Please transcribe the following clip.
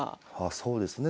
そうですね。